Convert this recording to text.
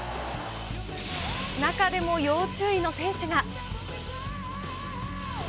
中でも要注意の選手が。